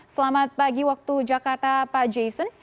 selamat pagi waktu jakarta pak jason